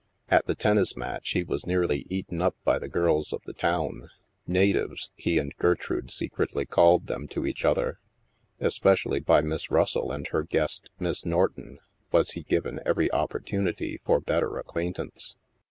At the tennis match, he was nearly eaten up by the girls of the town —" natives " he and Gertrude secretly called them to each other. Especially by Miss Russell and her guest. Miss Norton, was he given every opportunity for better acquaintance.